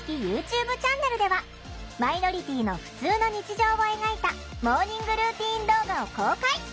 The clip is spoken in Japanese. チャンネルではマイノリティーのふつうの日常を描いたモーニングルーティン動画を公開！